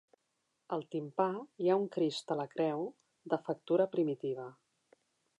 Al timpà hi ha un Crist a la creu, de factura primitiva.